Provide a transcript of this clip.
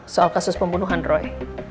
soal kasus pembunuhan roy